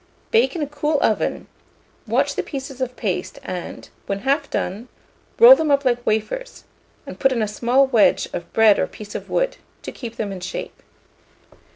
Bake in a cool oven; watch the pieces of paste, and, when half done, roll them up like wafers, and put in a small wedge of bread or piece of wood, to keep them in shape.